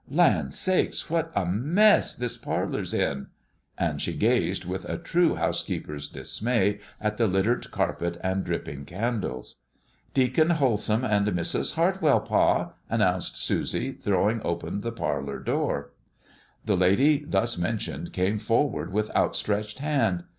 Land sakes, what a mess this parlor's in!" And she gazed with a true housekeeper's dismay at the littered carpet and dripping candles. "Deacon Holsum and Mrs. Hartwell, Pa!" announced Susie, throwing open the parlor door. The lady thus mentioned came forward with outstretched hand.